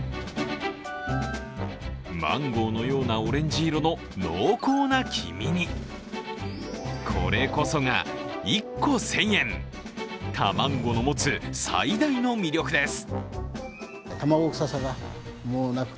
マンゴーのようなオレンジ色の濃厚な黄身に、これこそが１個１０００円、タマンゴの持つ最大の魅力です。